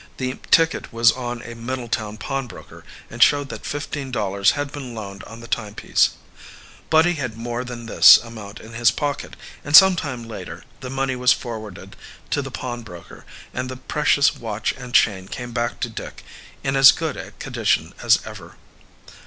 The ticket was on a Middletown pawnbroker, and showed that fifteen dollars had been loaned on the timepiece. Buddy had more than this amount in his pocket, and some time later the money was forwarded to the pawnbroker, and then the precious watch and chain came back to Dick, in as good a condition as ever.